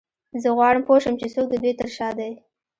زه غواړم پوه شم چې څوک د دوی تر شا دی